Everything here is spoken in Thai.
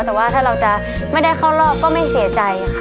แต่ว่าถ้าเราจะไม่ได้เข้ารอบก็ไม่เสียใจค่ะ